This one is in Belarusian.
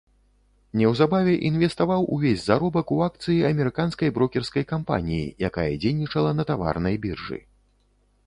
Неўзабаве інвеставаў увесь заробак у акцыі амерыканскай брокерскай кампаніі, якая дзейнічала на таварнай біржы.